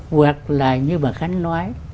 hoặc là như bà khánh nói